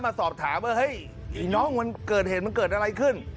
มาสอบถามว่าเฮ้ยน้องมันเกิดเหตุมันเกิดอะไรขึ้น